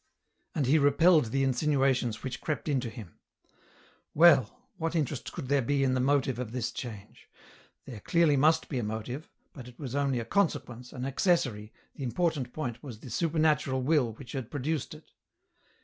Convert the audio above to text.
And he repelled the insinuations which crept into hii Well ! what interest could there be in the motive of this change ? there clearly must be a motive, but it was only a consequence, an accessory , the importan point was the supernatural will which had produced it.